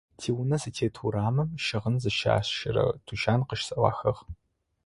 Тиунэ зытет урамым щыгъын зыщащэрэ тучан къыщызэӀуахыгъ.